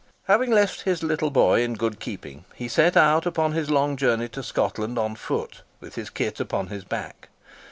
Having left his little boy in good keeping, he set out upon his long journey to Scotland on foot, with his kit upon his back.